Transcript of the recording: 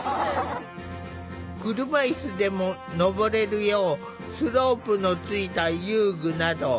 車いすでも上れるようスロープのついた遊具など。